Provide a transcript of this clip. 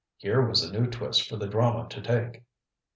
Here was a new twist for the drama to take.